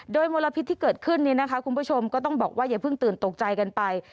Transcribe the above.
โดยมลพิษที่เกิดขึ้นคุณผู้ชมก็ต้องบอกว่าอย่าเพิ่งตื่นตกใจกันไป